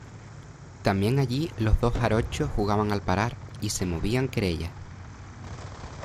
también allí los dos jarochos jugaban al parar, y se movían querella.